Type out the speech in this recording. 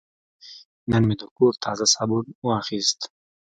نن مې د کور تازه صابون واخیست.